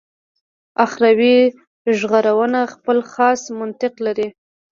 اخروي ژغورنه خپل خاص منطق لري.